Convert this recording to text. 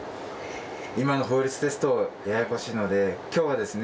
今の法律ですとややこしいので今日はですね